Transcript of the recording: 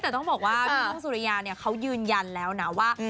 แต่ต้องบอกว่าพี่นุ้งสุริยาเนี่ยเขายืนยันแล้วนะว่า